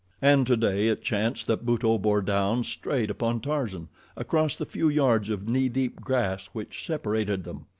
And today it chanced that Buto bore down straight upon Tarzan, across the few yards of knee deep grass which separated them.